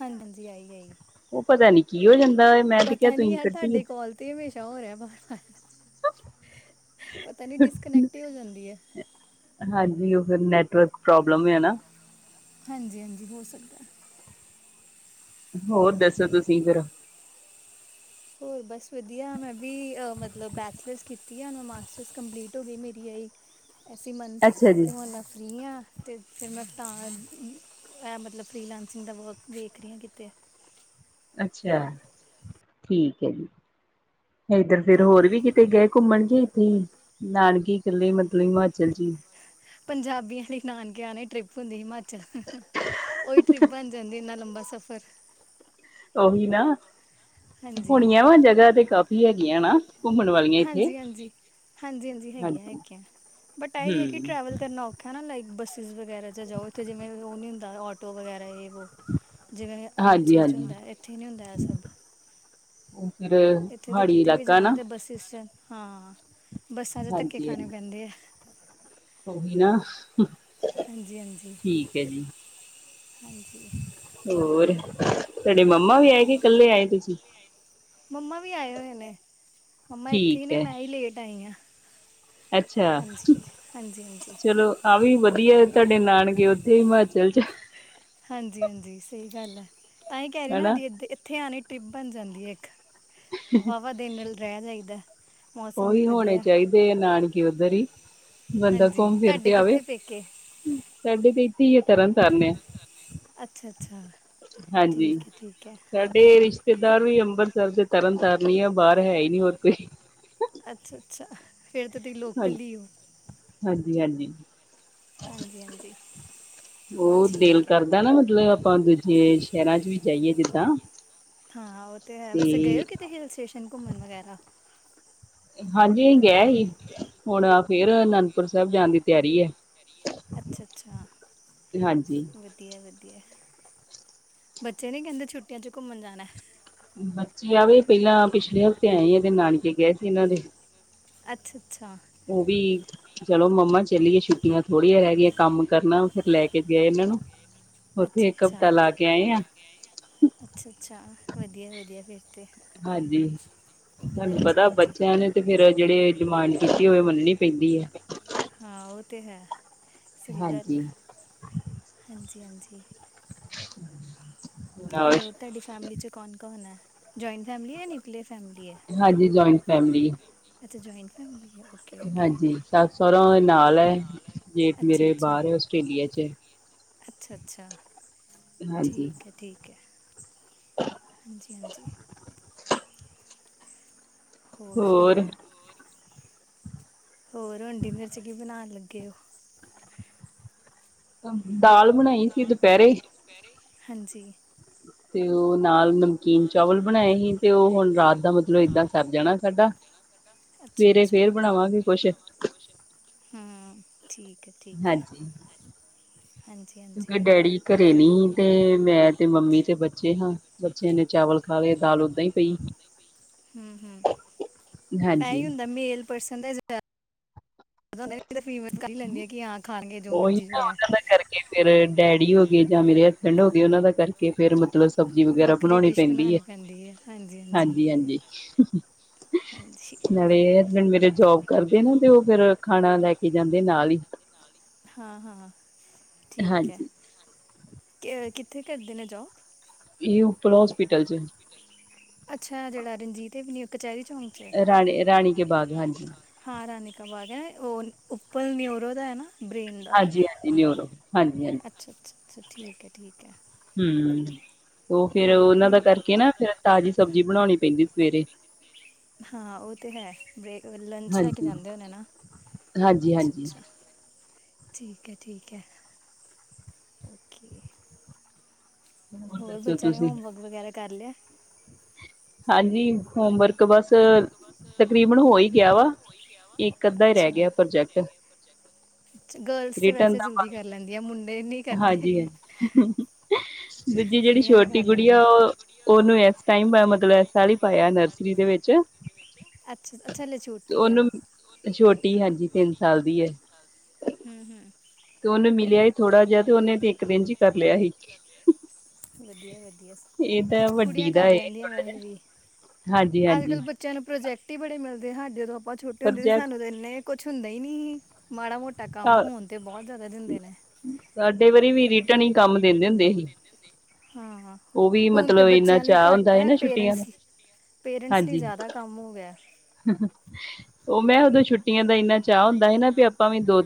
ਹਾਂਜੀ- ਹਾਂਜੀ ਆਈ -ਆਈ। ਉਹ ਪਤਾ ਨੀ ਕੀ ਹੋ ਜਾਂਦਾ ਏ ਮੈਂ ਤੇ ਕਿਹਾ ਪਤਾ ਨੀ ਤੁਸੀਂ ਯ ਕੱਟੀ ਤੁਹਾਡੇ ਕੋਲ ਤੇ ਹਮੇਸ਼ਾ ਹੋ ਰਿਹਾ ਬਾਰ -ਬਾਰ। ਪਤਾ ਨੀ ਡਿਸਕਨੈਕਟ ਹੀ ਹੋ ਜਾਂਦੀ ਹੈ। ਹਾਂਜੀ ਉਹ ਫਿਰ ਨੈਟਵਰਕ ਪ੍ਰੋਬਲਮ ਨਾ। ਹਾਂਜੀ -ਹਾਂਜੀ ਹੋ ਸਕਦਾ। ਹੋਰ ਦੱਸੋ ਤੁਸੀਂ ਫਿਰ। ਹੋਰ ਬਸ ਵਧੀਆ ਮੈਂ ਵੀ ਅ ਮਤਲਬ ਬੈਚਲਰਸ ਕੀਤੀ ਆੁ ਮ ਮਾਸਟਰਸ ਕੰਪਲੀਟ ਹੋ ਗ ਮੇਰੀ ਆਈ। ਐਸੀ ਮੰਥ ਅੱਛਾ ਜੀ ਤੇ ਹੁਣ ਮੈਂ ਫਰੀ ਆ। ਅਤੇ ਫਿਰ ਮੈਂ ਤਾਂ ਇਹ ਮਤਲਬ ਫ੍ਰੀਲੈਂਸਿੰਗ ਦਾ ਵਰਕ ਵੇਖ ਰਹੀ ਹਾਂ ਕਿਤੇ। ਅੱਛਾ ਠੀਕ ਹੈ ਜੀ। ਏਧਰ ਫੇਰ ਹੋਰ ਵੀ ਕਿਤੇ ਗਏ ਘੁੰਮਣਗੇ ਇੱਥੇ ਹੀ। ਨਾਨਕੇ ਇਕੱਲੇ ਮਤਲਬ ਹਿਮਾਚਲ ਜੀ। ਪੰਜਾਬੀਆਂ ਨਾਨਕਿਆਣੇ ਟ੍ਰਿਪ ਹੁੰਦੀ ਹਿਮਾਚਲ ਉਹੀ ਟ੍ਰਿਪ ਬਣ ਜਾਂਦੀ ਇੰਨਾ ਲੰਬਾ ਸਫ਼ਰ ਉਹੀ ਨਾ ਹਾਂਜੀ ਹੋਣੀਆਂ ਵਾ ਜਗ੍ਹਾ ਤੇ ਕਾਫੀ ਹੈਗੀਆਂ ਨਾ ਘੁੰਮਣ ਵਾਲੀਆਂ। ਇੱਥੇ ਹਾਂਜੀ, ਹਾਂਜੀ। ਹਾਂਜੀ, ਹਾਂਜੀ ਹੈਗੀਆਂ ਹੈਗੀਆਂ ਬਟ ਇਹਹੀ ਹੈ ਕਿ ਹਮ ਟ੍ਰੈਵਲ ਕਰਨਾ ਹੈਾ ਲਾਈਕ ਬੱਸਿਸ ਵਗੈਰਾ ਜਾਂ ਜਾਓ ਇੱਥੇ ਜਿਵੇਂ ਉਹ ਨੀ ਹੁੰਦਾ ਆਟੋ ਵਗੈਰਾ ਜਿਵੇਂ ਹਾਂਜੀ ਅੰਮ੍ਰਿਤਸਰ ਚ ਹਾਂਜੀ ਹੁੰਦਾ ਇੱਥੇ ਹੀ ਨੀ ਹੁੰਦਾ ਇਹ ਸਭ। ਫਰੇ ਇੱਥੇ ਤੇ ਕਿਤੇ ਵੀ ਜਾਣਾ ਤੇ ਬੱਸਿਸ ਹਾਂ ਬੱਸਾਂ ਚ ਧੱਕੇ ਹਾਂਜੀ ਖਾਣੇ ਹਾਂਜੀ ਪੈਂਦੇ ਆ। ਉਹੀ ਨਾ ਹਾਂਜੀ ਹਾਂਜੀ ਠੀਕ ਹੈ ਜੀ। ਹਾਂਜੀ ਹੋਰ ਤੁਹਾਡੇ ਮੰਮਾ ਵੀ ਆਏ ਕਿ ਕੱਲੇ ਆਏ ਤੁਸੀਂ। ਮੰਮਾ ਵੀ ਆਏ ਹੋਏ ਨੇ ਮੰਮਾ ਇੱਥੇ ਹੀ ਠੀਕ ਨੇ ਹੈ ਮੈਂ ਹੀ ਲੇਟ ਆਈ ਹਾਂ। ਅੱਛਾ ਹਾਂਜੀ ਹਾਂਜੀ ਹਾਂਜੀ ਚਲੋ। ਹਾਂ ਵੀ ਵਧੀਆ ਤੁਹਾਡੇ ਨਾਨਕੇ ਉੱਥੇ ਹਿਮਾਚਲ ਚ ਹਾਂਜੀ -ਹਾਂਜੀ ਸਹੀ ਗੱਲ ਹੈ ਤਾਂ ਹੀ ਕਹਿ ਰਹੀ ਨਾ ਹਨਾ ਸਾਡੀ ਇਏ ਇੱਥੇ ਆਣੀ। ਟਿੱਬਣ ਜਾਂਦੀ ਹੈ ਇੱਕ ਵਾਹਵਾ ਦਿਲ ਨਾਲ ਰਹਿ ਜਾਈਦਾ। ਮੌਸਮ ਵੀ ਉਹੀ ਹੋਣੇ ਵਧੀਆ ਚਾਹੀਦੇ ਆ ਨਾਨਕੇ ਉੱਧਰ ਹੀ ਬੰਦਾ ਹਾਂਜੀ ਘੁੰਮ ਫਿਰ ਤੁਹਾਡੇ ਤੇ ਆਵੇ। ਕਿੱਥੇ ਪੇਕੇ ਸਾਡੇ ਤੇ ਇੱਥੇ ਹੀ ਆ ਤਰਨ ਤਾਰਨ ਆ। ਅੱਛਾ ਅੱਛਾ ਹਾਂਜੀ। ਠੀਕ ਹੈ ਠੀਕ ਹੈ ਰਿਸ਼ਤੇਦਾਰ ਵੀ ਅੰਮਬਰ ਸਰ ਦੇ ਤਰਨ ਤਾਰਨ ਈ ਆ ਬਾਹਰ ਹੈ ਹੀ ਨੀ ਹੋਰ ਕੋਈ। ਅੱਛਾ -ਅੱਛਾ ਫਿਰ ਤਾਂ ਤੁਸੀਂ ਹਾਂਜੀ ਲੋਕਲ ਹੀ ਹੋ। ਹਾਂਜੀ- ਹਾਂਜੀ। ਹਾਂਜੀ ਹਾਂਜੀ ਉਹ ਦਿਲ ਠੀਕ ਹੈ ਕਰਦਾ ਨਾ ਮਤਲਬ ਆਪਾਂ ਦੂਜੇ ਸ਼ਹਿਰਾਂ ਚ ਵੀ ਜਾਈਏ ਜਿੱਦਾ ਹਾਂ ਉਹ ਤੇ ਹੈ ਵੈਸੇ ਗਏ ਹੋ ਕਿਤੇ ਹਿਲ ਸਟੇਸ਼ਨ ਘੁੰਮਣ ਵਗੈਰਾ। ਹਾਂਜੀ ਗਿਆ ਸੀ ਹੁਣ ਫੇਰ ਅਨੰਦਪੁਰ ਸਾਹਿਬ ਜਾਣ ਦੀ ਤਿਆਰੀ ਹੈ। ਅੱਛਾ- ਅੱਛਾ। ਹਾਂਜੀ ਵਧੀਆ- ਵਧੀਆ ਬੱਚੇ ਨੀ ਕਹਿੰਦੇ ਛੁੱਟੀਆਂ ਚ ਘੁੰਮਣ ਜਾਣਾ। ਬੱਚੇ ਆਵੇ ਪਹਿਲਾਂ ਪਿਛਲੇ ਹਫ਼ਤੇ ਆਏ ਆ ਤੇ ਨਾਨਕੇ ਗਏ ਸੀ ਇਹਨਾਂ ਦੇ। ਅੱਛਾ -ਅੱਛਾ। ਉਹ ਵੀ ਚਲੋ ਮੰਮਾ ਚੱਲਿਏ ਛੁੱਟੀਆਂ ਥੋੜ੍ਹੀਆਂ ਰਹਿ ਗਈਆਂ ਕੰਮ ਕਰਨਾ ਫਿਰ ਲੈ ਕੇ ਗਏ ਨੇ ਨਾ ਅੱਛਾ -ਅੱਛਾ, ਅੱਛਾ- ਅੱਛਾ, ਵਧੀਆ -ਵਧੀਆ ਫਿਰ ਤੇ। ਹਾਂਜੀ ਤੁਹਾਨੂੰ ਹਾਂਜੀ ਪਤਾ ਹਾਂਜੀ ਬੱਚਿਆਂ ਨੇ ਤੇ ਫੇਿਰ ਜਿਹੜੇ ਡਿਮਾਂਡ ਕੀਤੀ ਹੋਏ ਉਹ ਮੰਨਣੀ ਪੇਂਦੀ ਏ। ਹਾਂ ਉਹ ਤੇ ਹੈ ਸਹੀ ਗੱਲ ਹੈ ਹਾਂਜੀ ਹਾਂਜੀ-ਹਾਂਜੀ। [unintelligible] ਹੋਰ ਤੁਹਾਡੀ ਫੈਮਿਲੀ ਚ ਕੌਣ -ਕੌਣ ਐ? ਜੋਇੰਟ ਫੈਮਲੀ ਐ ਯਾ ਨਿਊਕਲੀਅਰ ਫੈਮਿਲੀ ਐ? ਹਾਂਜੀ ਜੋਇੰਟ ਫੈਮਿਲੀ ਏ। ਅੱਛਾ ਜੋਇੰਟ ਫੈਮਿਲੀ ਐ। ਹਾਂਜੀ ਸੱਸ ਸੋਹਰਾ ਨਾਲ ਐ ਜੇਠ ਅੱਛਾ ਮੇਰੇ ਬਾਹਰ ਹੈ ਆਸਟ੍ਰੇਲੀਆ ਚ ਅੱਛਾ-ਅੱਛਾ ਹਾਂਜੀ ਠੀਕ ਹੈ-ਠੀਕ ਹੈ। ਹਾਂਜੀ-ਹਾਂਜੀ। ਹੋਰ ਸੁਣਾਓ। ਹੋਰ ਹੁਣ ਡਿਨਰ ਚ ਕੀ ਬਣਾਣ ਲੱਗੇ ਔ? ਦਾਲ ਬਣਾਈ ਸੀ ਦੁਪਹਿਰੇ। ਪੈਰੇ ਹਾਂਜੀ। ਤੇ ਉਹ ਨਾਲ ਨਮਕੀਨ ਚਾਵਲ ਬਣਾਏ ਸੀ ਤੇ ਉਹ ਹੁਣ ਰਾਤ ਦਾ ਮਤਲਬ ਏਦਾਂ ਸੱਰ ਜਾਣਾ ਸਾਡਾ। [unintelligible] ਸਵੇਰੇ ਅੱਛਾ ਫੇਰ ਬਣਾਵਾਂਗੇ ਕੁੱਛ। ਹਾਂ ਠੀਕ ਐ। ਹਾਂਜੀ ਹਾਂਜੀ ਕਿਉਂਕਿ ਹਾਂਜੀ ਡੈਡੀ ਘੱਰੇ ਨੀ ਤੇ ਮੈਂ ਤੇ ਮੰਮੀ ਤੇ ਬੱਚੇ ਹਾਂ। ਬੱਚਿਆਂ ਨੇ ਚਾਵਲ ਖਾ ਲਏ ਦਾਲ ਓਦਾਂ ਹੀ ਪਈ। ਹੂੰ-ਹੂੰ ਇਹ ਹੀ ਹਾਂਜੀ। ਹੁੰਦਾ ਮੇਲ ਪਰਸਨ ਦਾ ਜਿਆਦਾ। ਫੀਮੇਲ ਕਰ ਹੀ ਲੈਂਦੀ ਆ ਕਿ ਹਾਂ ਖਾਣਗੇ ਜੋ ਉਹੀ ਮਰਜੀ ਹੋ ਨਾ ਉਹਨਾਂ ਦਾ ਕਰਕੇ ਫਿਰ ਡੈਡੀ ਹੋ ਗਏ ਜਾਂ ਮੇਰੇ ਹਸਬੈਂਡ ਹੋ ਗਏ ਉਹਨਾਂ ਦਾ ਕਰਕੇ ਫਿਰ ਮਤਲਬ ਸਬਜ਼ੀ ਵਗੈਰਾ ਵੱਖਰੀ ਬਣਾਉਣੀ ਡਿਸ਼ ਪੈਂਦੀ ਹੈ ਪੈਂਦੀ ਹੈ ਹਾਂਜੀ ਹਾਂਜੀ ਹਾਂਜੀ-ਹਾਂਜੀ। ਹਾਂਜੀ। ਹਸਬੈਂਡ ਮੇਰੇ ਜੋਬ ਕਰਦੇ ਨੇ ਤੇ ਉਹ ਫੇਰ ਖਾਣਾ ਲੈ ਕੇ ਜਾਂਦੇ ਨਾਲ ਈ। ਹਾਂ-ਹਾਂ ਠੀਕ ਹਾਂਜੀ। ਐ‌ ਕਿੱਥੇ ਕਰਦੇ ਨੇ ਜੋਬ? ਇਹੋ ਓਪਲ ਹੋਸਪਿਟਲ ਚ ਅੱਛਾ ਜਿਹੜਾ ਰਣਜੀਤ ਵੀ ਕਚਹਿਰੀ ਚੌਂਕ ਚ ਹੈ। ਰਾਣੇ ਰਾਣੀ ਕੇ ਬਾਗ ਹਾਂਜੀ। ਹਾਂ ਰਾਣੀ ਕਾ ਬਾਾਗ ਹੈ ਉਹ ਉੱਪਲ ਨੀ ਉਰੋ ਦਾ ਨਾ ਬ੍ਰੇਨ ਹਾਂਜੀ-ਹਾਂਜੀ ਨਿਊਰੋ ਹਾਂਜੀ-ਹਾਂਜੀ। ਅੱਛਾ-ਅੱਛਾ-ਅੱਛਾ, ਠੀਕ ਹੈ-ਠੀਕ ਹੈ। ਹੂੰ ਉਹ ਫੇਿਰ ਉਹਨਾਂ ਦਾ ਰੋ- ਕਰਕੇ ਨਾ ਫਿਰ ਤਾਜ਼ੀ ਸਬਜ਼ੀ ਬਣਾਉਣੀ ਪੈਂਦੀ ਸਵੇਰੇ। ਹਾਂ ਉਹ ਤੇ ਹੈ ਬ ਲੰਚ ਲੈ ਕੇ ਜਾਂਦੇ ਹੋਣੇ ਨਾ। ਅੱਛਾ ਹਾਂਜੀ-ਹਾਂਜੀ। ਅੱਛਾ ਠੀਕ ਹੈ-ਠੀਕ ਹੈ ਓਕੇ। ਹੋਰ ਦੱਸੋ ਬੱਚਿਆਂ ਨੇ ਤੁਸੀਂ ਹੋਮਵਰਕ ਵਗੈਰਾ ਕਰ ਲਿਆ। ਹਾਂਜੀ ਹੋਮਵਰਕ ਬਸ ਤਕਰੀਬਨ ਹੋ ਹੀ ਗਿਆ ਵਾ। ਇੱਕ ਅੱਧਾ ਹੀ ਅੱਛਾ ਰਹਿ ਗਿਆ ਅੱਧਾ ਹੀ ਰਹਿ ਪ੍ਰੋਜੈਕਟ ਗਿਆ ਰਿਟਰਨ ਦਾ ਲੈਂਦੀਆ ਮੁੰਡੇ ਨੀ ਹਾਂਜੀ-ਹਾਂਜੀ ਦੂਜੀ ਜਿਹੜੀ ਕੁੜੀਆਂ ਤੇ ਕਰ ਛੋਟੀ ਜਿਹੜੀ ਕੁੜੀ ਲੈਂਦੀਆਂ ਆ ਉਹ ਓਨੂੰ ਇਸ ਟੈਮ ਮਤਲਬ ਇਹ ਸਾਲ ਹੀ ਪਾਇਆ ਨਰਸਰੀ ਦੇ ਵਿੱਚ। ਅੱਛਾ-ਅੱਛਾ ਹਲੇ ਤੇ ਛੋਟੀ ਆ ਉਹਨੂੰ ਉਹ ਛੋਟੀ ਹਾਂਜੀ ਤਿੰਨ ਸਾਲ ਦੀ ਐ ਹੂੰ-ਹੂੰ ਤੇ ਓਨੂੰ ਮਿਲਿਆ ਹੀ ਥੋੜਾ ਜਿਆ ਤੇ ਉਨੇ ਤੇ ਇੱਕ ਦਿਨ ਚ ਈ ਕਰ ਲਿਆ ਸੀ। ਵਧੀਆ-ਵਧੀਆ ਇਹ ਤਾਂ ਕੁੜੀਆਂ ਕਰ ਲੈਂਦੀਆਂ ਵੈਸੇ ਵੀ। ਹਾਂਜੀ-ਹਾਂਜੀ। ਸਾਨੂੰ ਪ੍ਰਜੈਕਟ ਈ ਬੜੇ ਮਿਲਦੇ ਆ, ਸਾਡੇ ਜਦੋਂ ਆਪਾਂ ਛੋਟੇ ਹੁੰਦੇ ਸੀ। ਪ੍ਰੋਜੈਕਟ ਸਾਨੂੰ ਤਾਂ ਇੰਨੇ ਕੁਛ ਹੁੰਦਾ ਈ ਨੀ ਸੀ। ਮਾੜਾ ਮੋਟਾ ਕੰਮ ਹੋਣ ਤੇ ਬਹੁਤ ਜ਼ਿਆਦਾ ਦਿੰਦੇ ਨੇ। ਸਾਡੇ ਵਾਰੀ ਵੀ ਰੀਟਨ ਈ ਕੰਮ ਦਿੰਦੇ ਹੁੰਦੇ ਸੀ। ਹਾਂ-ਹਾਂ ਉਹ ਵੀ ਹੁਣ ਤੇ ਮਤਲਬ ਇੰਨਾ ਬੱਚਿਆਂ ਲਈ ਚਾਅ ਘੱਟ ਹੁੰਦਾ ਹੈ। ਨਾ ਛੁੱਟੀਆਂ ਪੇਰੈਂਟਸ ਦਾ ਪੇਰੈਂਟਸ ਲਈ ਜ਼ਿਆਦਾ ਕੰਮ ਹੋ ਗਿਆ। ਓ ਮੈਂ ਉਦੋਂ ਛੁੱਟੀਆਂ ਦਾ ਇੰਨਾ ਚਾਅ ਹੁੰਦਾ ਸੀ, ਨਾ ਵੀ ਆਪਾਂ ਵੀ ਦੋ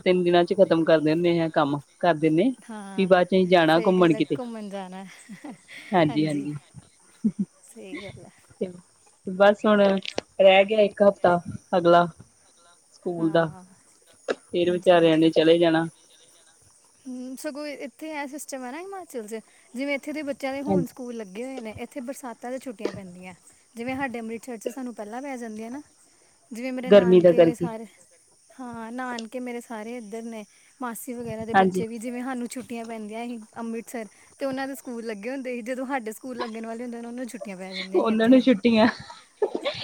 ਖ਼ਤਮ ਕਰ ਦਿੰਦੇ ਆ, ਕੰਮ ਕਰ ਦਿੰਨੇ ਹਾਂ ਸਹੀ ਗੱਲ ਐ, ਘੁੰਮਣ ਜਾਣਾ ਹਾਂਜੀ ਸਹੀ ਗੱਲ ਐ। ਬਸ ਹੁਣ ਰੈ ਗਿਆ ਇੱਕ ਹਫ਼ਤਾ ਅਗਲਾ ਸਕੂਲ ਦਾ ਹਾ-ਹਾਂ, ਫੇਰ ਵਿਚਾਰਿਆਂ ਹਾਂਜੀ-ਹਾਂਜੀ। ਨੇ ਚਲੇ ਜਾਣਾ ਹੂੰ ਸਗੋਂ ਇੱਥੇਐ ਸਿਸਟਮ ਐਨਾ ਹਿਮਾਚਲ ਚ ਜਿਵੇਂ ਇੱਥੇ ਦੇ ਬੱਚਿਆਂ ਦੇ ਹੁਣ ਹਾਂਜੀ ਸਕੂਲ ਲੱਗੇ ਹੋਏ ਨੇ। ਇੱਥੇ ਬਰਸਾਤਾ ਚ ਛੁੱਟੀਆਂ ਪੈਂਦੀਆਂ, ਜਿਵੇਂ ਸਾਡੇ ਅੰਮ੍ਰਿਤਸਰ ਚ ਸਾਨੂੰ ਪਹਿਲਾਂ ਪੈ ਜਾਂਦੀਆਂ ਨਾ ਜਿਵੇਂ ਮੇਰੇ ਗਰਮੀ ਦਾ ਨਾਨਕੇ ਕਰਕੇ ਸਾਰੇ ਹਾਂ ਨਾਨਕੇ ਮੇਰੇ ਸਾਰੇ ਐਧਰ ਨੇ ਮਾਸੀ ਵਗੈਰਾ ਦੇ ਹਾਂਜੀ ਬੱਚੇ ਵੀ ਜਿਵੇਂ ਸਾਨੂੰ ਛੁੱਟੀਆਂ ਪੈਂਦੀਆਂ ਈ ਅੰਮ੍ਰਿਤਸਰ ਤੇ ਉਹਨਾਂ ਦੇ ਸਕੂਲ ਲੱਗੇ ਹੁੰਦੇ ਸੀ ਜਦੋਂ ਸਾਡੇ ਸਕੂਲ ਲੱਗਣ ਵਾਲੇ ਹੁੰਦੇ ਨੇ ਉਹਨਾ ਨੂੰ ਛੁੱਟੀ ਪੈ ਜਾਂਦੀਆਂ ਉਹਨਾਂ ਇੱਥੇ ਨੂੰ ਛੁੱਟੀਆਂ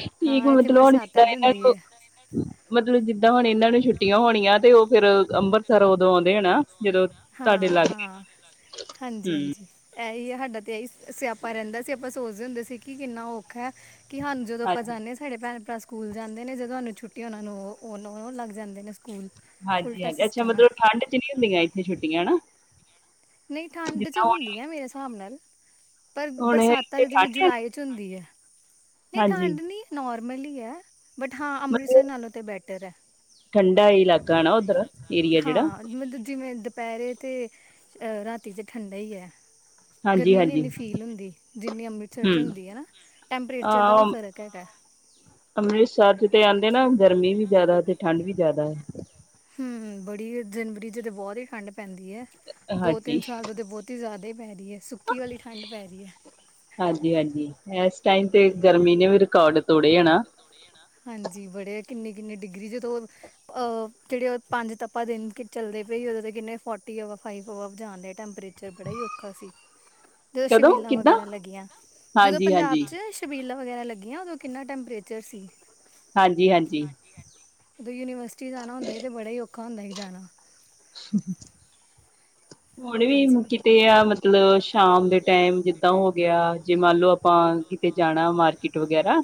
ਠੀਕ ਹਾਂ ਇੱਥੇ ਮਤਲਬ ਹੁਣ ਜਿੱਦਾਂ ਬਰਸਾਤਾਂ ਚ ਇਹਨਾਂ ਹੁੰਦੀ ਨੂੰ ਐ [unintelligible] ਮਤਲਬ ਜਿੱਦਾਂ ਹੁਣ ਏਨਾਂ ਨੂੰ ਛੁੱਟੀਆਂ ਹੋਣੀਆਂ ਤੇ ਓ ਫੇਰ ਅੰਮ੍ਰਿਤਸਰ ਉਦੋਂ ਆਉਂਦੇ ਨਾ ਜਦੋਂ ਤੁਹਾਡੇ ਲਾਗੇ ਹਾਂ-ਹਾਂ, ਹੂੰ ਹਾਂਜੀ-ਹਾਂਜੀ। ਐਈ ਐ ਸਾਡਾ ਤਾਂ ਇਹੀ ਸਿਆਪਾ ਰਹਿੰਦਾ ਸੀ ਆਪਾਂ ਸੋਚਦੇ ਹੁੰਦੇ ਸੀ ਕਿ ਕਿੰਨਾ ਔਖਾ ਐ ਕਿ ਸਾਨੂੰ ਜਦੋਂ ਆਪਾਂ ਹਾਂਜੀ ਜਾਂਦੇ ਆ, ਸਾਡੇ ਭੈਣ ਭਰਾ ਸਕੂਲ ਜਾਂਦੇ ਨੇ ਜਦੋਂ ਸਾਨੂੰ ਛੁੱਟੀ ਉਹਨਾਂ ਨੂੰ ਲੱਘ ਜਾਂਦੇ ਨੇ ਸਕੂਲ ਉਲਟਾ ਸਿਸਟਮ ਐ। ਠੰਢ ਚ ਨੀ ਹੁੰਦੀਆਂ ਇੱਥੇ ਛੁੱਟੀਆਂ ਹਨਾ? ਨਹੀਂ ਠੰਡ ਚ ਜਿੱਦਾਂ ਹੁੰਦੀਆਂ, ਮੇਰੇ ਹਿਸਾਬ ਨਾਲ ਪਰ ਹੁਣ ਹੁਣ ਬਰਸਾਤਾਂ ਇੱਥੇ ਜਿਵੇਂ ਠੰਡ ਹੈ ਜੁਲਾਈ ਚ ਹੁੰਦੀ ਐ ਨਹੀਂ ਹਾਂਜੀ ਠੰਡ ਨਹੀ ਨੋਰਮਲੀ ਈ ਆ ਬਟ ਹਾਂ ਅੰਮ੍ਰਿਤਸਰ ਮਤਲਬ ਨਾਲੋਂ ਤੇ ਬੈਟਰ ਹੈ। ਠੰਡਾ ਇਲਾਕਾ ਨਾ ਓਦਰ ਏਰੀਆ ਜਿਹੜਾ ਹਾਂ ਮਤਲਬ ਜਿਵੇਂ ਦੁਪਹਿਰੇ ਤੇ ਅ ਰਾਤੀ ਤੇ ਠੰਡਾ ਈ ਐ। ਹਾਂਜੀ ਗਰਮੀ ਨੀ ਹਾਂਜੀ ਇੰਨੀ ਫੀਲ ਹੁੰਦੀ। ਜਿੰਨੀ ਅੰਮ੍ਰਿਤਸਰ ਚ ਹੂੰ ਹੁੰਦੀ ਆ ਨਾਂ ਟੈਂਪਰੇਚਰ ਦਾ ਵੀ ਅ ਫ਼ਰਕ ਹੈਗਾ। ਅੰਮ੍ਰਿਤਸਰ ਚ ਤੇ ਆਂਦੇ ਨਾ ਗਰਮੀ ਵੀ ਜ਼ਿਆਦਾ ਤੇ ਠੰਢ ਵੀ ਜ਼ਿਆਦਾ ਏ। ਹੂੰ ਬੜੀ ਜਨਵਰੀ ਚ ਬਹੁਤ ਈ ਠੰਢ ਪੈਂਦੀ ਐ ਦੋ ਹਾਂਜੀ ਤਿੰਨ ਸਾਲ ਦਾ ਤੇ ਬਹੁਤ ਅਤੇ ਜ਼ਿਆਦਾ ਹੀ ਪੈ ਰਹੀ ਐ, ਸੁੱਕੀ ਵਾਲੀ ਠੰਡ ਪੈ ਰਹੀ ਐ। ਹਾਂਜੀ-ਹਾਂਜੀ ਇਸ ਟਾਈਮ ਤੇ ਗਰਮੀ ਨੇ ਵੀ ਰਿਕਾਰਡ ਤੋੜੇ ਆ ਨਾ। ਹਾਂਜੀ ਬੜੇ ਆ ਕਿੰਨੇ-ਕਿੰਨੇ ਡਿਗਰੀ ਜਦੋਂ ਅ ਜਿਹੜੇ ਓ ਪੰਜ ਤਪਾ ਦਿਨ ਕਿ ਚੱਲਦੇ ਪਏ ਉਦੋਤਾਂ ਕਿੰਨੇ ਫੋਰਟੀ ਅਵਾਰ ਫਾਈਵ ਹਵਾਰ ਜਾਂਣਦੇ ਆ ਟੈਂਪਰੇਚਰ ਬੜਾ ਈ ਔਖਾ ਸੀ। ਜਦੋਂ ਕਦੋਂ ਛਬੀਲਾਂ ਕਿੱਦਾਂ ਵਗੈਰਾ ਲੱਗੀਆਂ ਜਦੋਂ ਪੰਜਾਬ ਹਾਂਜੀ-ਹਾਂਜੀ, ਚ ਛਬੀਲਾਂ ਵਗੈਰਾ ਲੱਗੀਆਂ ਉਦੋਂ ਕਿੰਨਾ ਟੈਂਪਰੇਚਰ ਸੀ। ਹਾਂਜੀ-ਹਾਂਜੀ ਜਦੋਂ ਯੂਨੀਵਰਸਿਟੀ ਜਾਣਾ ਹੁੰਦਾ ਸੀ ਤੇ ਬੜਾ ਈ ਔਖਾ ਹੁੰਦਾ ਸੀ ਜਾਣਾ। [unintelligible] ਹੁਣ ਵੀ ਹਾਂਜੀ। ਕਿਤੇ ਆ ਮਤਲਬ ਸ਼ਾਮ ਦੇ ਟਾਈਮ ਜਿੱਦਾਂ ਓ ਗਿਆ ਜੇ ਮੰਨ ਲਓ ਆਪਾਂ ਕਿਤੇ ਜਾਣਾ ਮਾਰਕੀਟ ਵਗੈਰਾ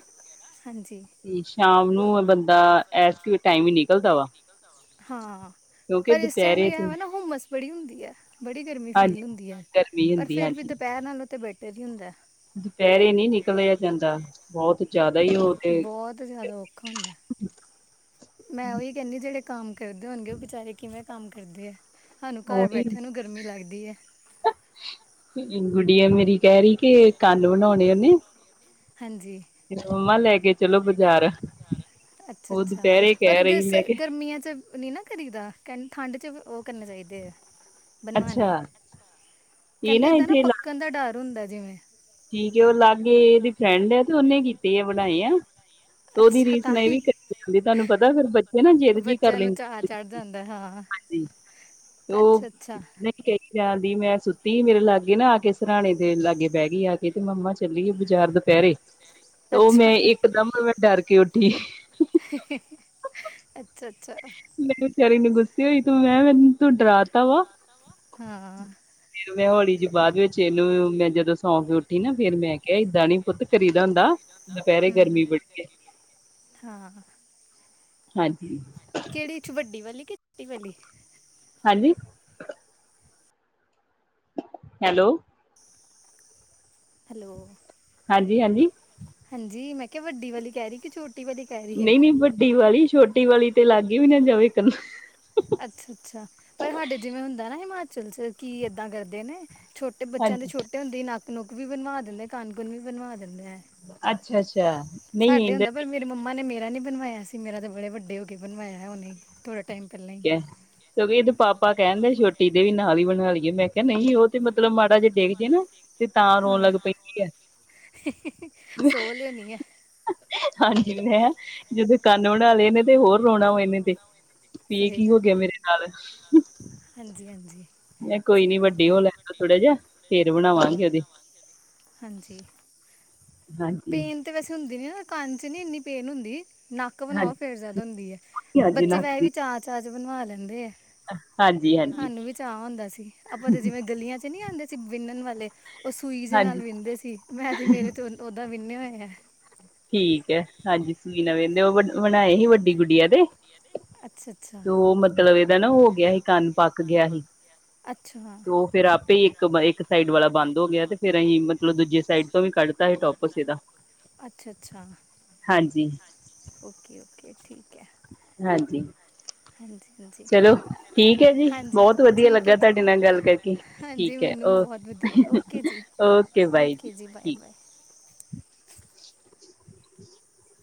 ਹਾਂਜੀ। ਤੇ ਸ਼ਾਮ ਨੂੰ ਬੰਦਾ ਐਸ ਕ ਟਾਈਮ ਹੀ ਨਿਕਲਦਾ ਵਾ ਹਾਂ ਕਿਉਂਕਿ ਪਰ ਇਸ ਸੈਮ ਵੀ ਦੁਪਹਿਰੇ ਇਹ ਤੇ ਹੋਏਨਾ ਹੁੰਮਸ ਬੜੀ ਹੁੰਦੀ ਹੈ ਬੜੀ ਗਰਮੀ ਫੀਲ ਹਾਂਜੀ ਹੁੰਦੀ ਹੈ ਗਰਮੀ ਪਰ ਹੁੰਦੀ ਫਿਰ ਵੀ ਹਾਂਜੀ। ਦਪੈ ਸ਼ਹਿਰ ਨਾਲੋਂ ਤੇ ਬੈੇਟਰ ਹੀ ਹੁੰਦਾ। ਦੁਪਹਿਰੇ ਨਹੀਂ ਨਿਕਲਿਆ ਜਾਂਦਾ ਬਹੁਤ ਜ਼ਿਆਦਾ ਹੀ ਔ ਤੇ ਬਹੁਤ ਜ਼ਿਆਦਾ ਔਖਾ ਹੁੰਦਾ ਹੈ। ਮੈਂ ਉਹੀ ਕਹਿੰਦੀ ਜਿਹੜੇ ਕੰਮ ਕਰਦੇ ਹੋਣਗੇ ਉਹ ਬੇਚਾਰੇ ਕਿਵੇਂ ਕੰਮ ਕਰਦੇ ਆ ਸਾਨੂੰ ਘਰ ਉਹੀ ਬੈਠੇ ਨੂੰ ਗਰਮੀ ਲਾਗਦੀ ਹੈ। ਗੁੜੀਆਂ ਮੇਰੀ ਕਹਿ ਰਹੀ ਕਿ ਕੰਨ ਬਣਾਉਣੇ ਉਹਨੇ ਹਾਂਜੀ। ਫ ਮੰਮਾ ਲੈ ਕੇ ਚਲੋ ਬਾਜ਼ਾਰ। ਅੱਛਾ ਉਹ ਅੱਛਾ ਦੁਪਹਿਰੇ ਪਰ ਕਹਿ ਰਹੀ ਗਸ ਮੈਂ ਕਿਹਾ ਗਰਮੀਆਂ 'ਚ ਨਹੀਂ ਨਾ ਕਰੀਦਾ ਕਹਿੰ ਠੰਡ ਚ ਉਹ ਕਰਨੇ ਚਾਹੀਦੇ ਆ। ਬਣਵਾਣੇ ਆ ਅੱਛਾ ਇਹ ਕਹਿੰਦੇ ਏਦਾਂ ਨਾ ਇੱਥੇ ਪੱਕਣ ਦਾ ਡਰ ਹੁੰਦਾ ਜਿਵੇਂ ਠੀਕ ਉਹ ਲਾਗੇ ਇਹਦੀ ਫਰੈਂਡ ਹੈ ਤੇ ਉਹਨੇ ਕੀਤੇ ਆ ਵਣਾਏ ਆ। ਉਹਦੀ ਅੱਛਾ ਰੀਸ ਤਾਂ ਨਾਲ ਇਹ ਵੀ ਹੀ ਕਰ ਜਾਂਦੀ ਤੁਹਾਨੂੰ ਪਤਾ ਫੇਰ ਬੱਚੇ ਨਾ ਜਿੱਦ ਜਿਹੀ ਕਰ ਬੱਚਿਆਂ ਨੂੰ ਚਾਅ ਲੈਂਦੇ। ਚੜ ਜਾਂਦਾ ਹਾਂ ਜ ਅੱਛਾ ਅੱਛਾ। ਨਹੀਂ ਕਹੀ ਜਾਣਦੀ ਮੈਂ ਸੁੱਤੀ ਮੇਰੇ ਲਾਗੇ ਨਾ ਆ ਕੇ ਸਰਰਾਣੇ ਦੇ ਲਾਗੇ ਬਹਿ ਗਈ ਆ। ਇਹ ਤੇ ਮੰਮਾ ਚੱਲੀਏ ਬਾਜ਼ਾਰ ਦੁਪਹਿਰੇ ਤੇ ਉਹ ਅੱਛਾ ਮੈਂ ਇਕ ਦਮ ਮੈਂ ਡਰ ਕੇ ਉੱਠੀ ਹੀ ਹੀ ਹੀ ਅੱਛਾ ਅੱਛਾ। ਮੈ ਬੇਚਾਰੀ ਨੂ ਗੁੱਸੇ ਹੋਈ ਤੂੰ ਮੈਂ ਕਿਹਾ ਮੈਨੂੰ ਤੂੰ ਡਰਾ ਤਾ ਵਾ। ਹਾਂ ਫੇਿਰ ਮੈਂ ਹੌਲੀ ਜੀ ਬਾਅਦ ਵਿੱਚ ਇਹਨੂੰ ਮੈਂ ਜਦੋਂ ਸੌਂ ਕੇ ਉੱਠੀ ਨਾ ਫੇਿਰ ਮੈਂ ਏਦਾਂ ਨੀ ਪੁੱਤ ਕਰੀ ਦਾ ਹੁੰਦਾ ਦੁਪਹਿਰੇ ਹੂੰ ਗਰਮੀ ਬੜੀ ਹੈ। ਹਾਂ ਹਾਂਜੀ। ਕਿਹੜੀ ਚ ਵੱਡੀ ਵਾਲੀ ਕਿ ਛੋਟੀ ਵਾਲੀ ਹਾਂਜੀ। Hello hello. ਹਾਂਜੀ ਹਾਂਜੀ। ਹਾਂਜੀ ਮੈਂ ਕਿਹਾ ਵੱਡੀ ਵਾਲੀ ਕਹਿ ਰਹੀ ਕਿ ਛੋਟੀ ਵਾਲੀ ਕਹਿ ਰਹੀ ਹੈ ਨਹੀਂ ਨਹੀਂ ਵੱਡੀ ਵਾਲੀ ਛੋਟੀ ਵਾਲੀ ਤੇ ਲਾਗੇ ਵੀ ਨਾ ਜਾਵੇ ਇਕਨ। ਅੱਛਾ ਅੱਛਾ ਪਰ ਸਾਡੇ ਜਿਵੇਂ ਹੁੰਦਾ ਨਾ ਹਿਮਾਚਲ ਚ ਕੀ ਏਦਾਂ ਕਰਦੇ ਨੇ। ਛੋਟੇ ਬੱਚਿਆਂ ਦੇ ਹਾਂਜੀ ਛੋਟੇ ਹੁੰਦੇ ਹੀ ਨੱਕ ਨੁੱਕ ਵੀ ਵਣਵਾ ਦਿੰਦੇ ਕੰਨ ਕੁਨ ਵੀ ਬਣਵਾ ਦਿੰਦੇ ਹੈ। ਅੱਛਾ ਅੱਛਾ। ਨਹੀਂ ਸਾਡੇ ਇਹਦਾ ਹੁੰਦਾ ਪਰ ਠੀਕ ਮੇਰੇ ਰੇ ਮੰਮਾ ਨੇ ਮੇਰਾ ਨ ਬਵਾਇਆ ਸੀ ਮੇਰਾ ਬੇ ਵੱਡੇ ਹੋ ਕੇ ਬਣਵਾਇਆ ਉਹਨੇ ਥੋੜਾ ਟਾਈਮ ਪਹਿਲਾਂ। ਹੀ। ਅਛ ਸਗੋ ਇਹਦੇ ਪਾਪਾ ਕਹਿਣ ਦਏ ਛੋਟੀ ਦੇ ਵੀ ਨਾਲ ਹੀ ਵਨਾ ਲਈਏ ਮੈਂ ਕਿਹਾ ਨਹੀਂ ਉਹ ਤੇ ਮਤਲਬ ਮਾੜਾ ਜੇ ਡਿੱਗ ਜੇ ਨਾ ਤੇ ਤਾਂ ਰੋਣ ਹਾਂ ਲੱਗ ਪੈਂਦੀ ਹੈ। ਸੋ ਲਿਆਉਣੀ ਆ ਹਾਂਜੀ ਮੈਂ ਜਦੋਂ ਕੰਨ ਬਣਾ ਲਏ ਨੇ ਤੇ ਹੋਰ ਰੋਣਾ ਵਾਂ ਇਹਨੇ ਤੇ ਵੀ ਕੀ ਹੋ ਗਿਆ ਮੇਰੇ ਨਾਲ। ਹਾਂਜੀ ਹਾਂਜੀ। ਮੈਂ ਕੋਈ ਨੀ ਵੱਡੀ ਹੋ ਲੈਣ ਦੋ ਥੋੜਾ ਜਿਹਾ ਫੇਰ ਹਾਂ। ਬਣਾਵਾਂਗੇ ਉਹਦੇ। ਹਾਂਜੀ। ਹਾਂਜੀ ਪੇਨ ਤੇ ਵੈਸੇ ਹੁੰਦੀ ਨ ਕੰਨ ਚ ਨੀ ਇੰਨੀ ਪੇਨ ਹੁੰਦੀ। ਨੱਕ ਵਣਾਓ ਹਾਂਜੀ ਫੇਰ ਜ਼ਿਆਦਾ ਹੁੰਦੀ ਹੈ ਹਾਂਜੀ ਬੱਚੇ ਨੱਕ ਵੈਸ ਦੀ ਵੀ ਚਾਅ -ਚਾਅ 'ਚ ਬਣਵਾ ਲੈਂਦੇ ਹੈ। ਹਾਂਜੀ- ਹਾਂਜੀ ਹਾਨੂੰ ਵੀ ਚਾਅ ਹੁੰਦਾ ਸੀ ਆਪਾਂ ਤੇ ਜਿਵੇਂ ਗਲੀਆਂ 'ਚ ਨੀ ਆਂਦੇ ਸੀ ਵਿੰਨਨ ਵਾਲੇ ਉਹ ਸੂਈ ਦੇ ਹਾਂਜੀ ਨਾਲ ਵਿੰਨਦੇ ਸੀ ਮੈਂ ਤੇ ਮੇਰੇ ਤੇ ਓਦਾਂ ਵਿੰਨੇ ਹੋਏ ਆ। ਠੀਕ ਹੈ ਹਾਂਜੀ ਸੂਈ ਨਾ ਵਿੰਨਦੇ ਆ ਉਹ ਵਨਾਏ ਸੀ ਵੱਡੀ ਗੁੱਡੀਆਂ ਦੇ ਅੱਛਾ ਅੱਛਾ ਤੇ ਉਹ ਮਤਲਬ ਇਹਦਾ ਨਾ ਹੋ ਗਿਆ ਸੀ ਕੰਨ ਪੱਕ ਗਿਆ ਹੀ। ਅੱਛਾ ਉਹ ਫਿਰ ਆਪੇ ਹੀ ਇੱਕ- ਇੱਕ ਸਾਈਡ ਵਾਲਾ ਬੰਦ ਹੋ ਗਿਆ ਤੇ ਫੇਰ ਅਹੀਂ ਦੂਜੇ ਸਾਈਡ ਤ ਵੀ ਕੱਢਤਾ ਸੀ ਟੋਪਸ ਇਹਦਾ ਅੱਛਾ- ਅੱਛਾ ਹਾਂਜੀ ਓਕੇ -ਓਕੇ ਠੀਕ ਹੈ। ਹਾਂਜੀ ਹਾਂਜੀ ਹਾਂਜੀ ਚਲੋ ਠੀਕ ਹੈ ਜੀ ਹਾਂਜੀ ਬਹੁਤ ਵਧੀਆ ਠੀਕ ਹੈ ਲੱਗਾ ਜੀ ਤੁਹਾਡੇ ਨਾਲ ਗੱਲ ਕਰਕੇ ਹਾਂਜੀ ਠੀਕ ਹੈ ਮੈਨੂੰ ਵੀ ਬਹੁਤ ਵਧੀਆ ਲੱਗਾ ਓਕੇ ਜੀ ਓਕੇ ਬਾਈ ਜੀ ਠੀਕ। [inaudible]